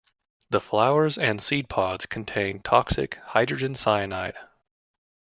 The flowers and seed pods contain toxic hydrogen cyanide.